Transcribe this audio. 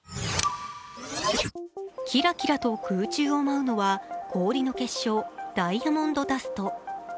キラキラと空中を舞うのは氷の結晶、ダイヤモンドダスト。